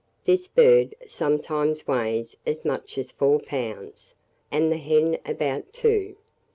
This bird sometimes weighs as much as four pounds, and the hen about two.